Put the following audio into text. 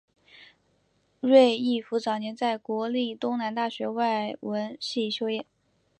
芮逸夫早年在国立东南大学外文系修业。